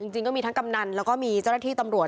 จริงก็มีทั้งกำนันแล้วก็มีเจ้าหน้าที่ตำรวจ